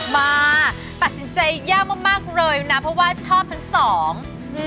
มาตัดสินใจยากมากมากเลยนะเพราะว่าชอบทั้งสอง